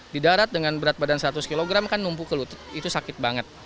di darat dengan berat badan seratus kg kan numpuk ke lutut itu sakit banget